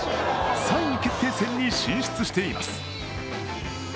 ３位決定戦に進出しています。